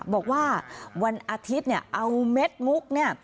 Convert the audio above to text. บอกว่าวันอาทิตย์เนี่ยเอาเม็ดมุกเนี่ย